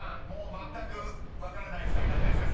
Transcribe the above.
まったく分からない２人だったですか？